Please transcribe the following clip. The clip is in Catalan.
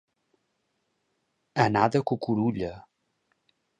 Anar de cucurulla.